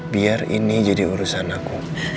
biar ini jadi urusan aku